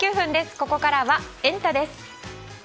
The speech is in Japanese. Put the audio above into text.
ここからはエンタ！です。